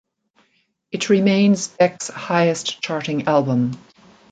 It remains Beck's highest-charting album.